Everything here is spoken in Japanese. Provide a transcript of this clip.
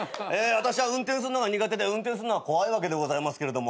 私は運転するのが苦手で運転すんのは怖いわけでございますけれども。